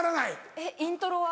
えっイントロは？